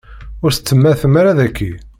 Ur tettemmatem ara daki.